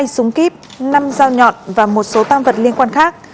hai súng kíp năm dao nhọn và một số tam vật liên quan khác